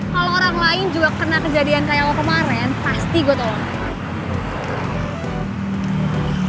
kalau orang lain juga kena kejadian kayak kemarin pasti gue tolong